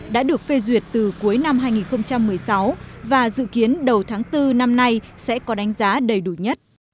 đã được phê duyệt từ cuối năm hai nghìn một mươi sáu và dự kiến đầu tháng bốn năm nay sẽ có đánh giá đầy đủ nhất